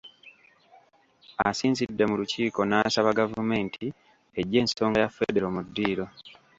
Asinzidde mu Lukiiko, n’asaba gavumenti eggye ensonga ya Ffedero mu ddiiro